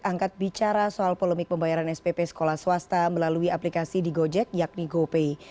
angkat bicara soal polemik pembayaran spp sekolah swasta melalui aplikasi di gojek yakni gopay